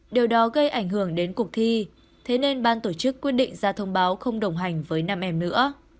điều đó gây ảnh hưởng đến cuộc thi thế nên ban tổ chức quyết định ra thông báo không đồng hành với năm em nữa